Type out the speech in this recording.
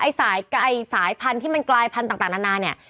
ไอ้สายไกลสายพันธุ์ที่มันกลายพันธุ์ต่างนานนี่